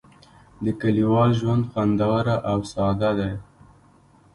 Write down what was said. د کلیوال ژوند خوندور او ساده دی.